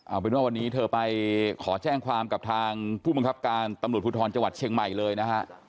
เอาเป็นว่าวันนี้เธอไปขอแจ้งความกับทางผู้บังคับการตำรวจภูทรจังหวัดเชียงใหม่เลยนะฮะ